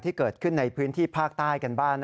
ที่เกิดขึ้นในพื้นที่ภาคใต้กันบ้าง